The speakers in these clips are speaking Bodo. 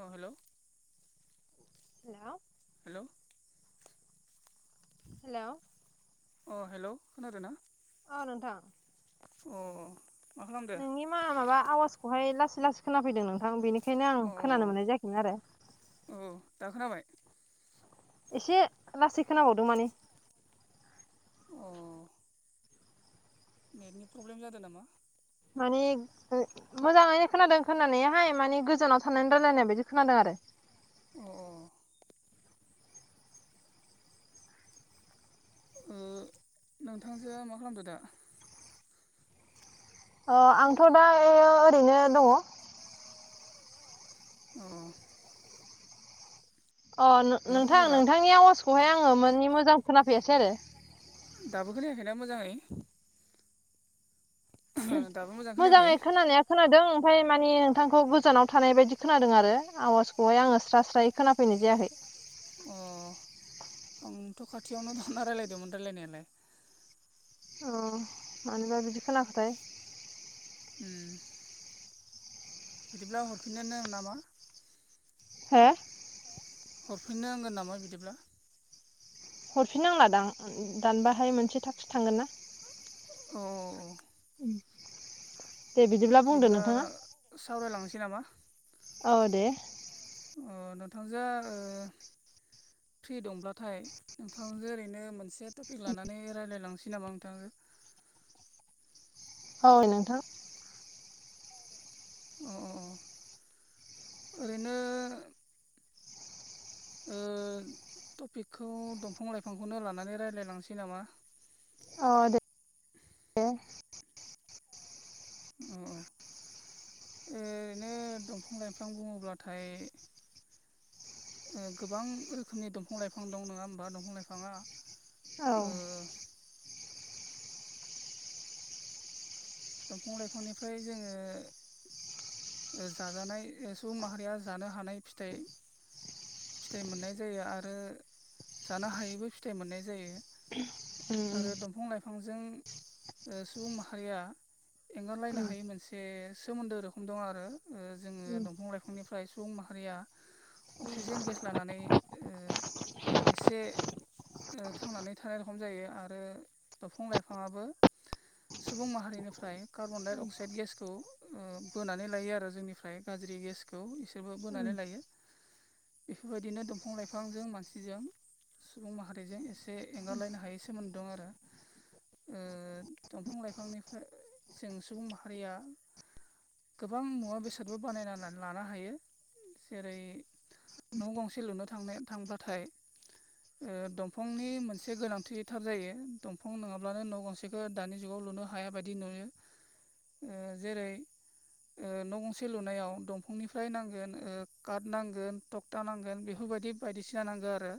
अ हेल' हेल' हेल' हेल' अ हेल' खोनादों ना? औ नोंथां अ मा खालामदों? निमाहा माबा आवाजखौहाय लासै लासै खोनाफैदों नोंथां बेनिखायनो आं अ खोनानो मोननाय जायाखैमोन आरो। औ दा खोनाबाय? एसे लासै खोनाबावदों माने। उम नेटनि प्रब्लेम जादों नामा? माने [unintelligible] मोजाङैनो खोनादों खोनानायाहाय माने गोजानाव थानानै रायजलायनाय बायदि खोनादों आरो। अ नोंथांजोआ मा खालामदो दा? अ आंथ' दा ओ ओरैनो दङ। अ। अ ना नोंथां खबरा नोंथांनि आवाजखौहाय आङो मानि मोजां खोनाफैयासै आरो। दाबो खोनायाखैना मोजाङै। दाबो मोजां खोनायाखै मोजाङै खोनानाया खोनादों ओमफ्राय मानि नोंथांखौ गोजानाव थानाय बायदि खोनादों आरो आवाजखौहाय आङो स्रा स्रायै खोनाफैनाय जायाखै। अ आंथ' खाथियावनो थाना रायलायदोंमोन रायलायनायालाय। अ मानोबा बिदि खोनाखोथाय। उ बिदिब्ला हरफिननोनो नामा? हा हरफिननो नांगोन नामा बिदिब्ला। हरफिन नांलादां दानबाथाय मोनसे थाख्स थांगोनना। अ। उ बिदिब्ला सावरायलांनोसै नामा। औ दे अ नोंथांजो फ्रि दंब्लाथाय। नोंथांजो ओरैनो मोनसे टपिक लानानै रायलायलांनोसै नामा नोंथांजो। औ नोंथां। अ अ अ ओरैनो ओ टपिकखौ दंफां लाइफांखौनो लानानै रायलायलांसै नामा। अ दे। दे। औ औ। ओरैनो दंफां लाइफां बुङोब्लाथाय। गोबां रोखोमनि दंफां लाइफां दं नङा होमबा दंफां लाइफाङा। औ। ओ दंफां लाइफांनिफ्राय जोङो। जाजानाय सुबुं माहारिया जानो हानाय फिथाइ। फिथाय मोननाय जायो आरो जानो हायैबो फिथाइ मोननाय जायो। आरो दंफां लाइफांजों सुबुं माहारिया एंगारलायनो हायै मोनसे सोमोन्दो रोखोम दं आरो ओ जोङो दंफां लाइफांनिफ्राय सुबुं माहारिया अक्सिजेन गेस लानानै ओ एसे ओ थांनानै थानाय रखम जायो आरो दफां लाइफाङाबो सुबुं माहारिनो फ्राय कार्बनडाइ अक्साइद गेसखौ ओ बोनानै लायो आरो जोंनिफ्राय गाज्रि गेस ओ इसोरबो बोनानै लायो बेफोरबायदिनो दंफां लाइफांजों मानसिजों सुबुं माहारिजों एसे एंगारलायनो हायै सोमोन्दो दं आरो ओ दंफां लाइफांनिफ्राय जों सुबुं माहारिया गोबां मुवा बेसादबो बानायनानै लानो हायो जेरै न' गंसे लुनो थांनो थांब्लाथाय दंफांनि मोनसे गोनांथिथार जायो दंफां नङाब्लानो न' गंसे बेखौ दानि जुगाव लुनो हाया बायदि नुयो ओ जेरै ओ न' गंसे लुनायाव दंफांनिफ्राय नांगोन ओ काट नांगोन थक्था नांगोन बेफोरबायदि बायदिसिना नांगौ आरो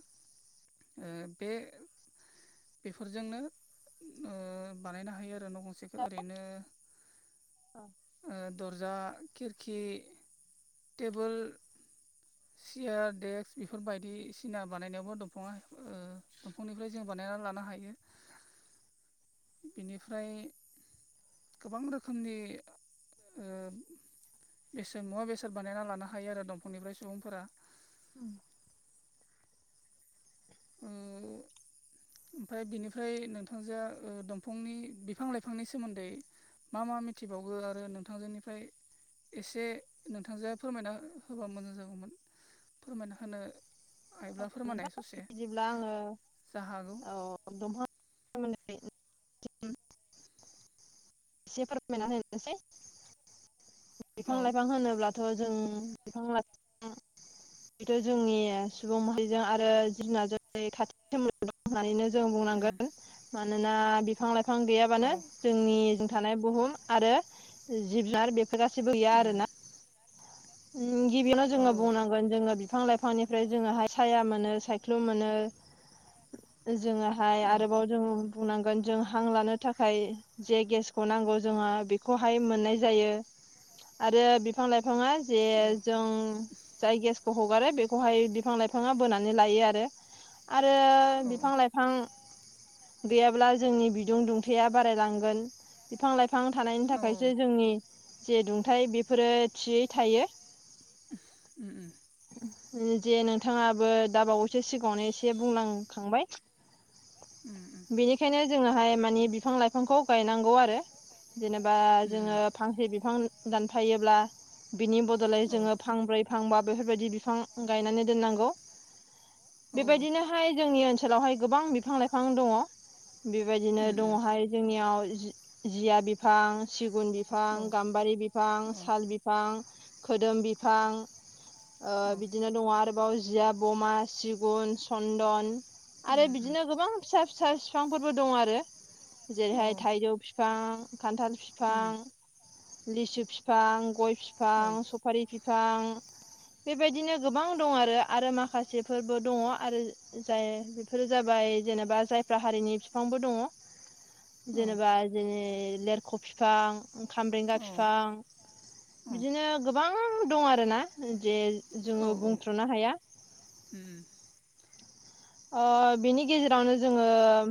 बे बेफोरजोंनो ओ बानायनो हायो आरो न' गंसे। ओरैनो ओ दरजा खिरखि, टेबोल सियार देक्स बेफोर बायदिसिना बानायनायावबो दंफाङा ओ दंफांनिफ्राय जों बानायना लानो हायो बेनिफ्राय गोबां रोखोमनि ओ एसे बेसाद मुवा बेसाद बानायना लानो हायो आरो दंफांनिफ्राय सुबुंफोरा [unintelligible] ओ ओमफ्राय बिनिफ्राय नोंथांजो ओ दंफांनि बिफां लाइफांनि सोमोन्दै मा मा मिथिबावगो आरो नोंथांजोनिफ्राय एसे नोंथांजोआ फोरमायना होबा मोजां जागौमोन फोरमायना होनो हायोब्ला फोरमायनाय ससे बिदिब्ला आङो जा हागौ औ दंफां सोमोन्दै एसे फोरमायनानै होनोसै औ बिफां लाइफां होनोब्ला थ' जों बिफां लाइफां बेथ' जोंनि सुबुं माहारिजों आरो जुनारजों खाथि सोमोन्दो दं होननानैनो जों उम बुंनांगोन मानोना बिफां लाइफां औ गैयाबानो जोंनि थानाय बुहुम आरो जिब जुनार बेफोर गासिबो गैया उम आरोना ओम गिबियावनो औ जोङो औ बुंनांगोन जोङो बिफां लाइफां बिफांनिफ्राय जोङोहाय साया मोनो सायख्लुम मोनो जोङोहाय मोनो आरोबाव जों बुंनांगोन जों हां लानो थाखाय जे गेसखौ नांगौ जोङो बेखौहाय मोननाय जायो आरो बिफां लाइफाङा जे जों जाय गेसखौ हगारो बेखौहाय बिफां लाइफाङा बोनानै लायो आरो आरो बिफां लाइफां गैयाब्ला जोंनि बिदुं दुंथाया बारायलांगोन बिफां लाइफां थानायनि थाखायसो जोंनि जे दुंथाय बेफोरो थियै थायो [unintelligible] जे नोंथाङाबो दाबावैसो सिगाङावनो एसे बुंलांखांबाय ओ ओ बेनिखायनो जोङोहाय मानि बिफां लाइफांखौ गायनांगौ आरो जेनेबा उम जोङो फांसे बिफां दानफायोब्ला बिनि बदलै जोङो फांब्रै फांबा बेफोरबायदि बिफां गायनानै दोनांगौ बेबायदिनो उम हाय जोंनि ओनसोलावहाय गोबां बिफां लाइफां दङ बेबायदिनो उम दङहाय जोंनियाव जिया बिफां सिगुन बिफां औ गाम्बारि बिफां साल बिफां बिफां खोदोम बिफां ओ बिदिनो दं आरोबाव जिया बमा, सिगुन, चन्दन आरो बिदिनो गोबां फिसा फिसा बिफांफोरबो दं आरो जेरैहाय- थाइजौ बिफां खान्थाल फिफां, लिसु फिफां, गय फिफां [unintelligible] सफारि बिफां बेबायदिनो गोबां दं आरो आरो माखासेफोरबो दङ आरो जाय बेफोरो जाबाय जेनेबा जायफ्रा हारिनि फिफांबो दङ। [unintelligible] जेनेबा इदिनो लेरख' फिफां खामब्रेंगा फिफां बिदिनो गोबां दं आरोना जे जोङो बुंथ्र'नो हाया ओ ओ बिनि गेजेरावनो जोङो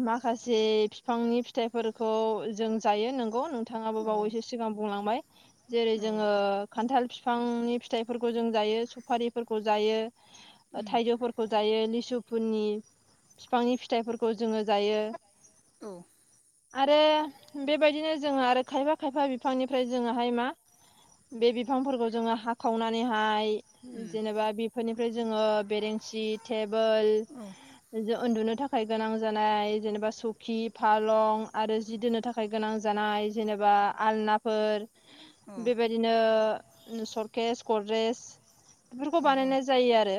माखासे बिफांनि फिथाइफोर थ' जों जायो नोंगौ नोंथाङाबो बावैसो सिगां बुंलांबाय जेरै जोङो खान्थाल फिफांनि फिथाइफोरखौ जों जायो सफारिफोरखौ जायो जों जायो सुफारिफोरखौ जायो थाइजौफोरखौ जायो लिसुफोरनि फिफांनि फिथाइफोरखौ जोङो जायो औ आरो बेबायदिनो जोङो आरो खायफा खायफा बिफांनिफ्राय जोङोहाय मा बे बिफांफोरखौ जोङो उम हाखावनानैहाय जेनेबा बेफोरनिफ्राय जोङो बेरेंसि टेबोल औ जो उन्दुनो थाखाय गोनां जानाय जेनेबा सखि फालं आरो जि दोननो थाखाय गोनां जानाय जानाय जेनेबा आलनाफोर बेरेंसि बेबायदि बिदिनो सर्केस, गद्रेस बेफोरखौ बानायनाय जायो आरो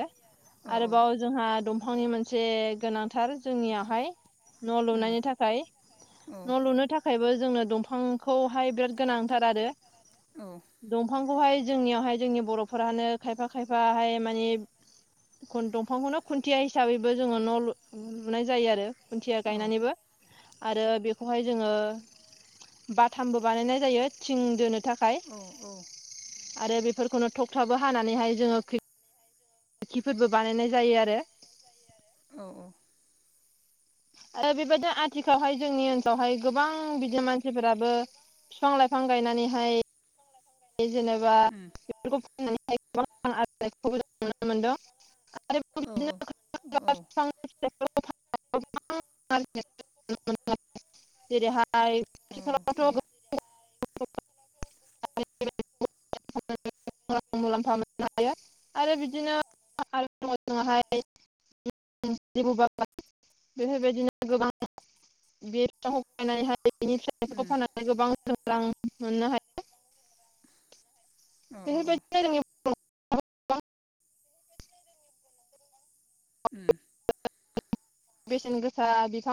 औ उम औ औ गायनानैबो बाथामबो बानायनाय जायो थिं औ आरोबाव जोंहा दंफांनि मोनसे गोनांथार जोंनियावहाय न' लुनायनि थाखाय न' लुनो थाखाय थाखायबो जोंनो दंफांखौहाय बिराद गोनांथार आरो। औ दंफांखौहाय जोंनियावहाय जोंनि बर'फोरानो खायफा खायफाहाय माने दंफांखौनो खुन्थिया हिसाबैबो जोङो न' लुनाय जायो आरो खुन्थिया गायनानैबो आरो बेखौहाय जोङो बाथामबो बानायनाय जायो थिं दोनो थाखाय। आरो बेफोरखौनो थखथाबो हानानैहाय जोङो खि- खोरखिफोरबो बानायनाय जायो आरो औ औ बेबायदि आथिखालावहाय जोंनि बेवहाय गोबां बिदि मानसिफोराबो बिफां लाइफां गायनानैहाय जेनेबा बेफोरखौ फननानैहाय गोबां रां आरजिनायखौबो जों नुनो मोनदों। उम औ औ [unintelligible] [unintelligible] जेरैहाय औ औ खाथिखालावथ' [unintelligible] रां मुलाम्फा मोननो हायो आरो बिदिनो [unintelligible] जोंहाय [unintelligible] बेफोरबायदिनो गोबां [unintelligible] [unintelligible] उम फाननानै गोबां रां मोननो हायो। अ अ अ बेफोरबायदिनो जोंनि गोबां ओम बेसेन गोसा बिफां